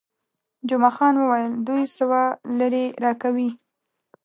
جمعه خان وویل، دوه سوه لیرې راکوي.